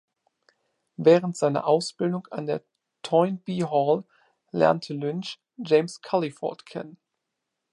Während seiner Ausbildung an der Toynbee Hall lernte Lynch James Culliford kennen.